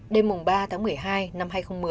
đêm mùng ba tháng một mươi hai năm hai nghìn một mươi